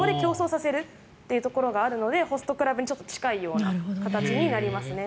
そこで競争させるというのがあるのでホストクラブに近いような形になります。